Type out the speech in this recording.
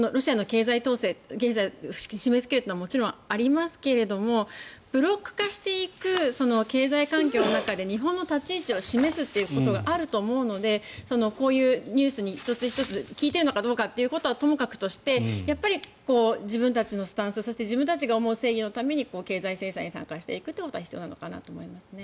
経済を締めつけるというのはもちろんありますけれどもブロック化していく経済環境の中で日本の立ち位置を示すということがあると思うのでこういうニュースに１つ１つ効いているのかどうかはともかくとしてやっぱり、自分たちのスタンスそして自分たちが思う正義のために経済制裁に参加していくということは必要なのかなと思います。